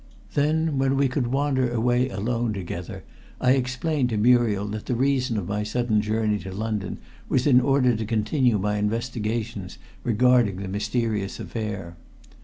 Then, when we could wander away alone together, I explained to Muriel that the reason of my sudden journey to London was in order to continue my investigations regarding the mysterious affair.